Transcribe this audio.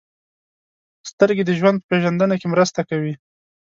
• سترګې د ژوند په پېژندنه کې مرسته کوي.